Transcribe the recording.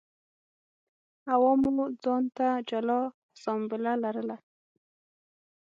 عوامو ځان ته جلا اسامبله لرله.